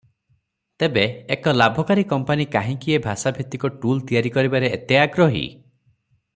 ତେବେ ଏକ ଲାଭକାରୀ କମ୍ପାନି କାହିଁକି ଏ ଭାଷାଭିତ୍ତିକ ଟୁଲ ତିଆରି କରିବାରେ ଏତେ ଆଗ୍ରହୀ?